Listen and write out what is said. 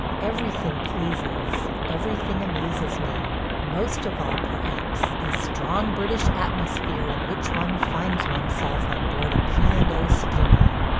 Everything pleases, everything amuses me; most of all perhaps the strong British atmosphere in which one finds one's self on board a P. and O. steamer.